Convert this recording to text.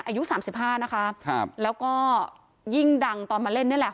อายุสามสิบห้านะคะครับแล้วก็ยิ่งดังตอนมาเล่นนี่แหละ